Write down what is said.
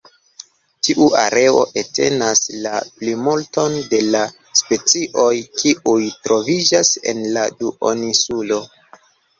Tiu areo entenas la plimulton de la specioj kiuj troviĝas en la duoninsulo.